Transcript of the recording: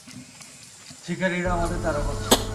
শিকারীরা আমাদের তাড়া করছে!